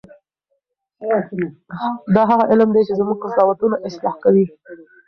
دا هغه علم دی چې زموږ قضاوتونه اصلاح کوي.